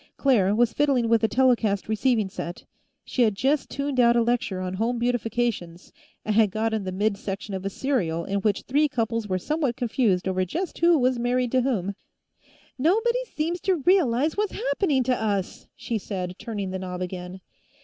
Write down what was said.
Claire was fiddling with a telecast receiving set; she had just tuned out a lecture on Home Beautifications and had gotten the mid section of a serial in which three couples were somewhat confused over just who was married to whom. "Nobody seems to realize what's happening to us!" she said, turning the knob again.